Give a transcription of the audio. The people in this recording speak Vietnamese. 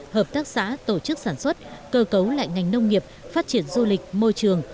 hợp tác xã tổ chức sản xuất cơ cấu lại ngành nông nghiệp phát triển du lịch môi trường